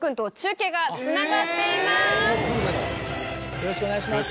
よろしくお願いします。